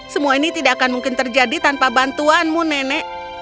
semua ini tidak akan mungkin terjadi tanpa bantuanmu nenek